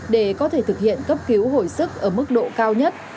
để có thể thực hiện cấp cứu hồi sức ở mức độ cao nhất